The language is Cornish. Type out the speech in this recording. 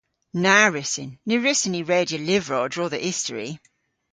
Na wrussyn. Ny wrussyn ni redya lyvrow a-dro dhe istori.